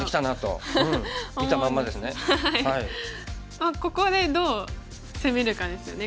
あっここでどう攻めるかですよね